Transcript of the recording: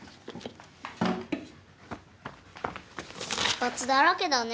バツだらけだね。